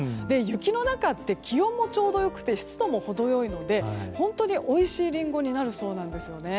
雪の中って気温もちょうど良くて湿度も程良いので本当においしいリンゴになるそうです。